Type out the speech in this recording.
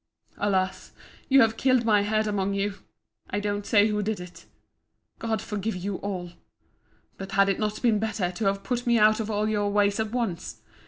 Alas! you have killed my head among you—I don't say who did it!—God forgive you all!—But had it not been better to have put me out of all your ways at once?